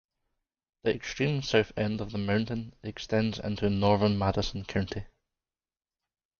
The extreme south end of the mountain extends into northern Madison County.